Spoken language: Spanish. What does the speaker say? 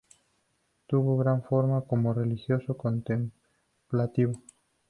Tuvo gran fama como religioso contemplativo.